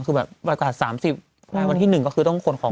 คือแบบวันขาดสามสิบวันที่หนึ่งก็คือต้องคนของ